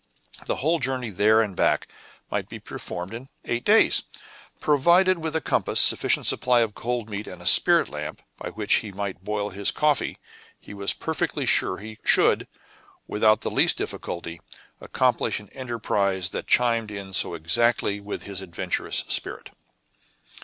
The whole journey there and back might be performed in eight days. Provided with a compass, a sufficient supply of cold meat, and a spirit lamp, by which he might boil his coffee, he was perfectly sure he should, without the least difficulty, accomplish an enterprise that chimed in so exactly with his adventurous spirit.